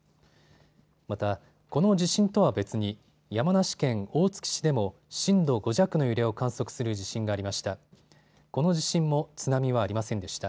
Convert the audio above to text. また、この地震とは別に山梨県大月市でも震度５弱の揺れを観測する地震がありました。